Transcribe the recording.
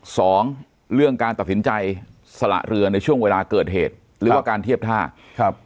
สองเรื่องการตัดสินใจสละเรือในช่วงเวลาเกิดเหตุหรือว่าการเทียบท่าครับ